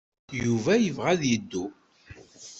Yuba yebɣa ad yeddu.